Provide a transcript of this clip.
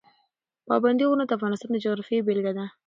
پابندی غرونه د افغانستان د جغرافیې بېلګه ده.